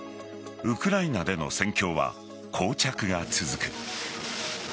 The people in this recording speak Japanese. ウクライナでの戦況は膠着が続く。